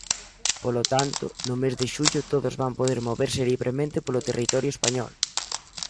Polo tanto, no mes de xullo todos van poder moverse libremente polo territorio español.